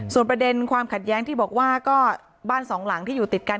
ส่วนประเด็นความขัดแย้งที่บอกว่าก็บ้านสองหลังที่อยู่ติดกัน